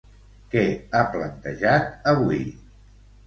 Què ha plantejat avui?